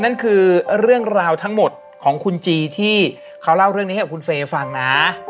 นั่นคือเรื่องราวทั้งหมดของคุณจีที่เขาเล่าเรื่องนี้ให้กับคุณเฟย์ฟังนะ